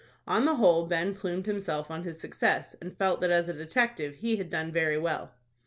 On the whole, Ben plumed himself on his success, and felt that as a detective he had done very well.